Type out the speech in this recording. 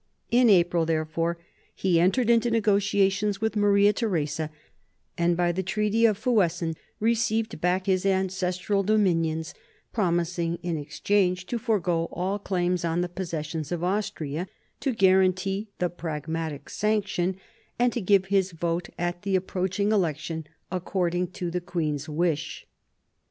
In Ap'ril, therefore, he entered into negotiations with Maria Theresa, and by the Tr eaty of Fuess en received back his ancestral dominions, promising in exchange to forego all claims on the possessions of Austria, to guarantee the Pragmatic Sanction, and to give his vote at the approaching election according to the queen J s wish.